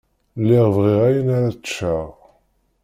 Lliɣ bɣiɣ ayen ara ččeɣ.